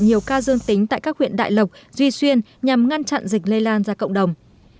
nhiều ca dương tính tại các huyện đại lộc duy xuyên nhằm ngăn chặn dịch lây lan ra cộng đồng